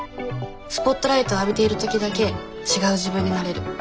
スポットライトを浴びている時だけ違う自分になれる。